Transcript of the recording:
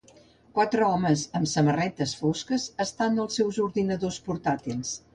quatre homes amb samarretes fosques estan als seus ordinadors portàtils.